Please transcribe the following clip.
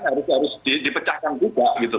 harus dipecahkan juga